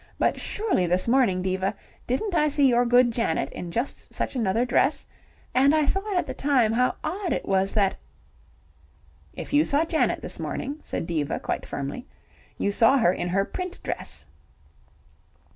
But surely this morning, Diva, didn't I see your good Janet in just such another dress, and I thought at the time how odd it was that " "If you saw Janet this morning," said Diva quite firmly, "you saw her in her print dress."